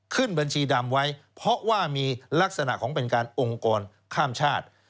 ขึ้นบัญชีดำไว้เพราะว่ามีลักษณะของเป็นการองค์กรข้ามชาติ